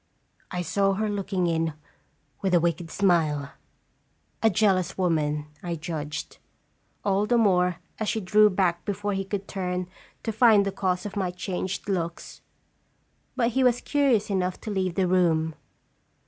I saw her looking in with a wicked smile. A jealous woman, I judged all the more as she drew back before he could turn to find the cause of my changed looks. But he was curious enough to leave the room.